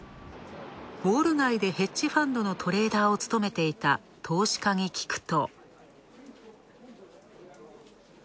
ウォール街でヘッジファンドのトレーダーを勤めていた投資家に聞くと。